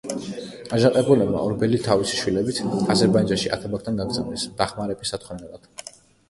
აჯანყებულებმა ორბელი თავისი შვილებით აზერბაიჯანში ათაბაგთან გაგზავნეს დახმარების სათხოვნელად.